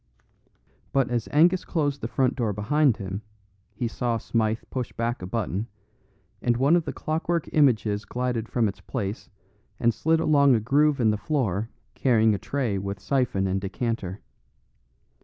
But as Angus closed the front door behind him he saw Smythe push back a button, and one of the clockwork images glided from its place and slid along a groove in the floor carrying a tray with syphon and decanter.